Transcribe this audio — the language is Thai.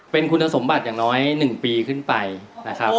เป็นคุณสมบัติอย่างน้อย๑ปีขึ้นไปนะครับ